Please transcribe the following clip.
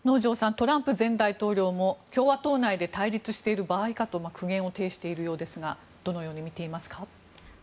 トランプ前大統領も共和党内で対立している場合かと苦言を呈しているようですがどのように見ていますか。